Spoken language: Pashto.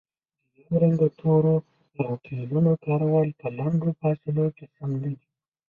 د یو رنګه تورو او فعلونو کارول په لنډو فاصلو کې سم نه دي